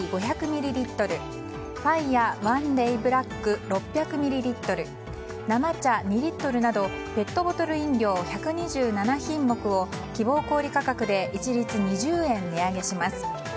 ミリリットルファイアワンデイブラック６００ミリリットル生茶２リットルなどペットボトル飲料１２７品目を希望小売価格で一律２０円値上げします。